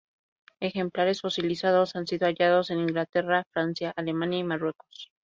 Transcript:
Ejemplares fosilizados han sido hallados en Inglaterra, Francia, Alemania, y Marruecos.